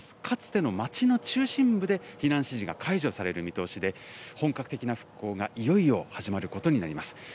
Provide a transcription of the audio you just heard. かつての町の中心部で、避難指示が解除される見通しで、本格的な復興がいよいよ始まることになります。